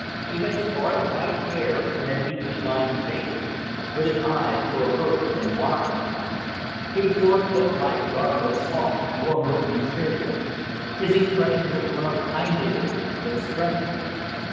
He had sparse white hair and a deeply lined face, but his eyes were alert and wise. He wore a cloak like garment of soft, warm looking material. His expression was one of kindliness but strength.